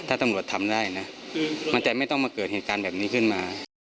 ถ้าตำรวจทำได้นะมันจะไม่ต้องมาเกิดเหตุการณ์แบบนี้ขึ้นมา